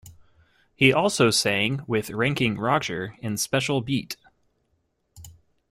He also sang with Ranking Roger in Special Beat.